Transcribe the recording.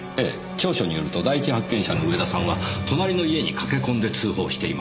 調書によると第一発見者の上田さんは隣の家に駆け込んで通報しています。